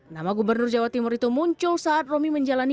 nama gubernur jawa timur itu muncul saat romi menjalani